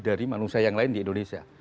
dari manusia yang lain di indonesia